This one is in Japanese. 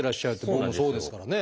僕もそうですからね。